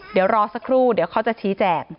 เดี๋ยวรอสักครู่เดี๋ยวเขาจะชี้แจง